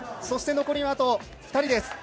そして残りはあと２人。